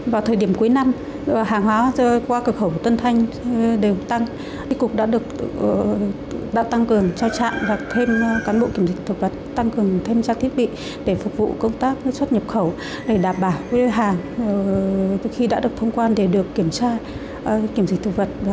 vào thời điểm cuối năm hàng hóa qua cửa khẩu tân thanh đều tăng cục đã được tăng cường cho trạng và thêm cán bộ kiểm dịch thực vật